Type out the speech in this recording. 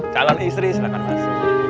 jalan istri silahkan mas